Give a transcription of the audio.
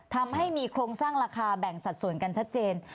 ทำให้มีโครงสร้างราคาแบ่งสัดส่วนกันชัดเจน